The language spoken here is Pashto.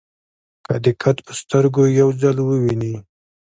که دې قد په سترګو یو ځل وویني.